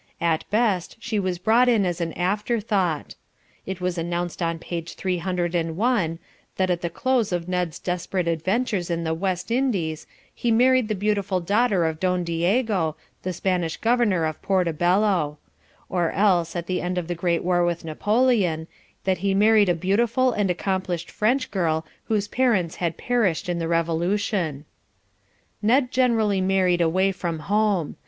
At best she was brought in as an afterthought. It was announced on page three hundred and one that at the close of Ned's desperate adventures in the West Indies he married the beautiful daughter of Don Diego, the Spanish governor of Portobello; or else, at the end of the great war with Napoleon, that he married a beautiful and accomplished French girl whose parents had perished in the Revolution. Ned generally married away from home.